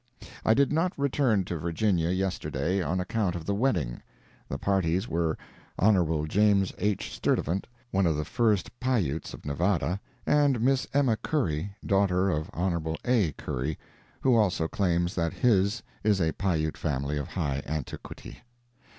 I did not return to Virginia yesterday, on account of the wedding. The parties were Hon. James H. Sturtevant, one of the first Pi Utes of Nevada, and Miss Emma Curry, daughter of Hon. A. Curry, who also claims that his is a Pi Ute family of high antiquity.